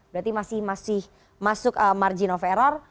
berarti masih masuk margin of error